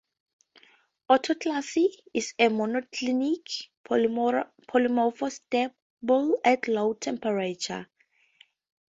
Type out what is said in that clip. Orthoclase is a monoclinic polymorph stable at lower temperatures.